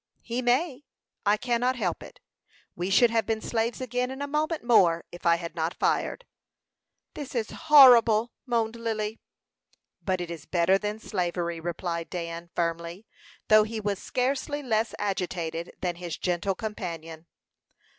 "He may; I cannot help it. We should have been slaves again in a moment more if I had not fired." "This is horrible!" moaned Lily. "But it is better than slavery," replied Dan, firmly, though he was scarcely less agitated than his gentle companion.